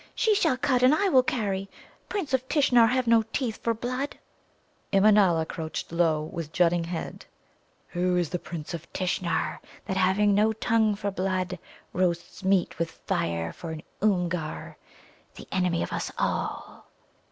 She shall cut, and I will carry. Princes of Tishnar have no tongue for blood." Immanâla crouched low, with jutting head. "Who is this Prince of Tishnar that, having no tongue for blood, roasts meat with fire for an Oomgar, the enemy of us all?"